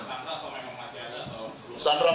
kalau sandra itu